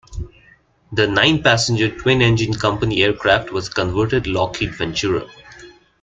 The nine-passenger twin-engine company aircraft was a converted Lockheed Ventura.